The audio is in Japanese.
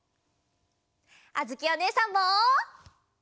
あづきおねえさんも！